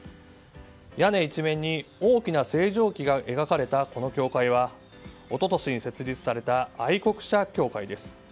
屋根一面に大きな星条旗が描かれたこの教会は、一昨年に設立された愛国者教会です。